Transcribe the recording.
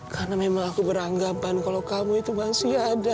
karena memang aku beranggapan kalau kamu itu masih ada